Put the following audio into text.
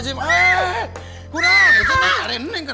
kenapa kamu mutusin aku tanpa sebab